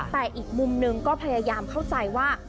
แต่อีกมุมหนึ่งก็พยายามเข้าใจว่า